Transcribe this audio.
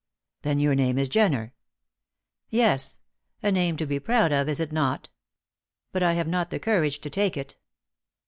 "Then your name is Jenner?" "Yes a name to be proud of, is it not? But I have not the courage to take it.